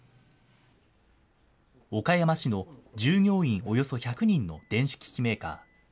岡山市の従業員およそ１００人の電子機器メーカー。